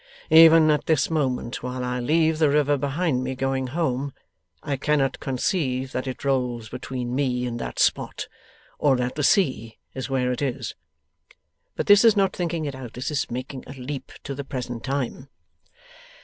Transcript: Even at this moment, while I leave the river behind me, going home, I cannot conceive that it rolls between me and that spot, or that the sea is where it is. But this is not thinking it out; this is making a leap to the present time.